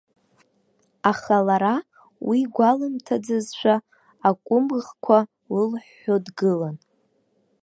Аха лара уи гәалымҭаӡазшәа, акәымӷқәа лылҳәҳәо дгылан.